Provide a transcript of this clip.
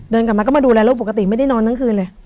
กลับมาก็มาดูแลลูกปกติไม่ได้นอนทั้งคืนเลย